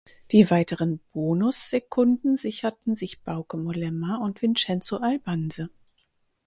Die weiteren Bonussekunden sicherten sich Bauke Mollema und Vincenzo Albanse.